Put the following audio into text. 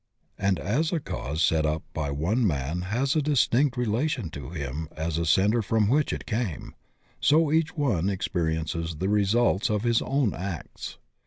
And as a cause set up by one man has a distinct relation to him as a centre from which it came, so each one experiences the results of his own acts.